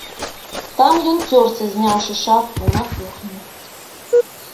Там ён цёрся, зняўшы шапку, на кухні.